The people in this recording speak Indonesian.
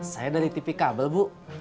saya dari tv kabel bu